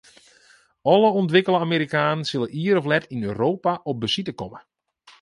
Alle ûntwikkele Amerikanen sille ier of let yn Europa op besite komme.